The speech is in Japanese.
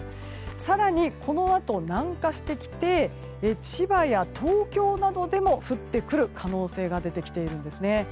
更に、このあと南下してきて千葉や東京などでも降ってくる可能性が出てきているんですね。